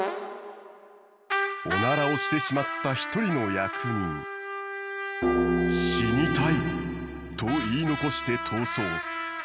オナラをしてしまった一人の役人。と言い残して逃走。